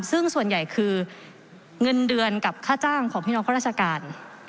ซึ่งส่วนใหญ่คือเงินเดือนกับค่าจ้างของพี่น้องข้าราชการ